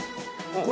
これ。